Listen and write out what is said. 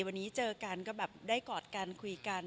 วันนี้เจอกันก็แบบได้กอดกันคุยกัน